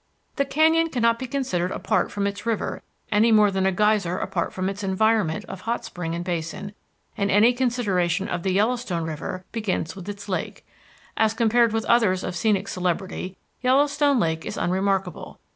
The canyon cannot be considered apart from its river any more than a geyser apart from its environment of hot spring and basin, and any consideration of the Yellowstone River begins with its lake. As compared with others of scenic celebrity, Yellowstone Lake is unremarkable.